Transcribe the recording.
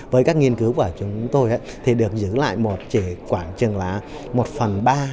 với các nghiên cứu của chúng tôi thì được giữ lại một chỉ quảng chừng là một phần ba